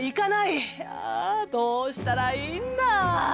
あどうしたらいいんだ』。